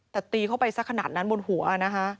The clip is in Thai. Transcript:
แต่ตีเข้าไปสักขนาดนั้นบนหัวนะคะ